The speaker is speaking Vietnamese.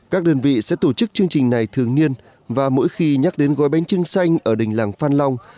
các đơn vị sẽ tổ chức chương trình này thường niên và mỗi khi nhắc đến gói bánh trưng xanh ở đình làng phan long